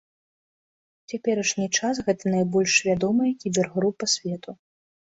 У цяперашні час гэта найбольш вядомая кібергрупа свету.